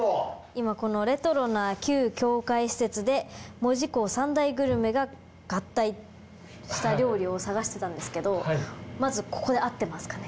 今この「レトロな旧教会施設で門司港３大グルメが合体」した料理を探してたんですけどまずここで合ってますかね？